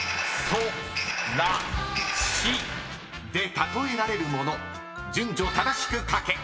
［例えられるもの順序正しく書け］